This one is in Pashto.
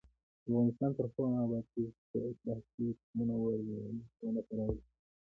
افغانستان تر هغو نه ابادیږي، ترڅو اصلاح شوي تخمونه ونه کارول شي.